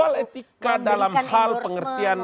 soal etika dalam hal pengertian